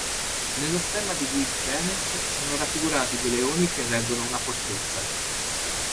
Nello stemma di Wijdenes sono raffigurati due leoni che reggono una fortezza.